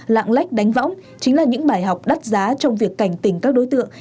lạng lách đánh võng chính là những bài học đắt giá trong việc cảnh tỉnh các đối tượng